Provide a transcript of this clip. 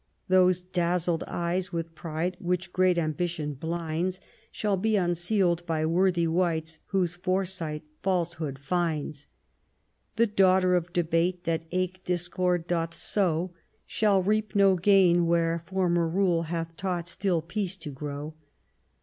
Those dazzled eyes with pride, which great ambition blinds, Shall be unsealed by worthy wights whose foresight falsehood finds. The Daughter of Debate, that eke discord doth sow. Shall reap no gain where former rule hath taught still peace to grow.